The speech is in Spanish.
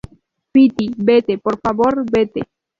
Fiti, vete, por favor. vete.